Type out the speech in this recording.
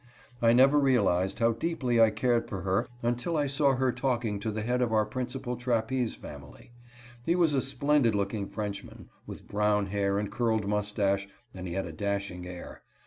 I never realized how deeply I cared for her until I saw her talking to the head of our principal trapeze family. He was a splendid looking Frenchman, with brown hair and curled mustache, and he had a dashing air.